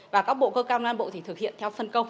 và các bộ cơ quan an bộ thực hiện theo phân công